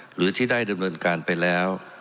หรือที่ได้ดำเนินการไปแล้ว